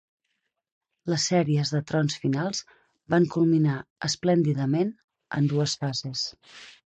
Les sèries de trons finals van culminar esplèndidament en dues fases.